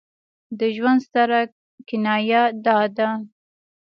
د ژوند ستره کنایه دا ده.